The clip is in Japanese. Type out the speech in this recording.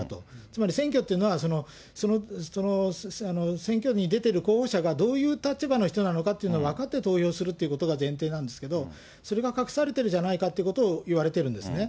つまり、選挙というのは、選挙に出てる候補者がどういう立場の人なのかというのを分かって投票するってことが前提なんですけど、それが隠されてるじゃないかということをいわれてるんですね。